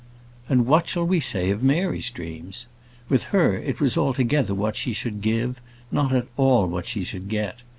And what shall we say of Mary's dreams? With her, it was altogether what she should give, not at all what she should get.